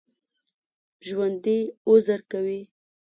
ژوندي عذر کوي